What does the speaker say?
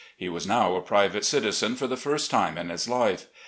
He was now a private citizen for the first time in his life.